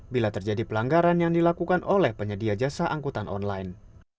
bila terjadi pelanggaran yang dilakukan oleh penyedia jasa angkutan online